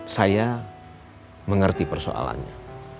saya mengerti persoalannya